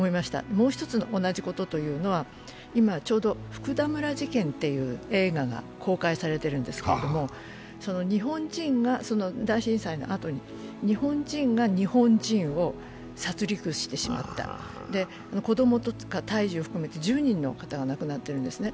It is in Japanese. もう一つ同じこととというのは今、ちょうど「福田村事件」という映画が公開されているんですけれども、日本人が大震災のあとに日本人が日本人を殺戮してしまった、子どもとかを含めて１０人の方が亡くなっているんですね。